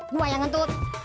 gue yang ngentut